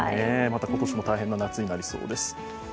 また今年も大変な夏になりそうです。